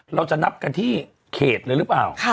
เราจะนับกันที่เขตเลยหรือเปล่า